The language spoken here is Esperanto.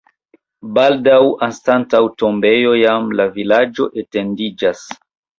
Baldaŭ anstataŭ tombejo jam la vilaĝo etendiĝas.